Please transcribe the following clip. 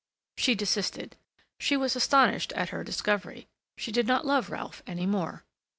She desisted. She was astonished at her discovery. She did not love Ralph any more.